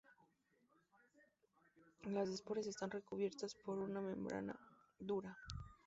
Las esporas están recubiertas por una membrana dura.